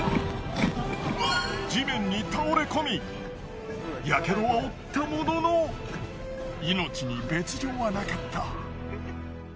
地面に倒れ込みやけどは負ったものの命に別状はなかった。